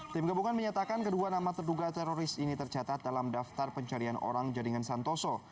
tim gabungan menyatakan kedua nama terduga teroris ini tercatat dalam daftar pencarian orang jaringan santoso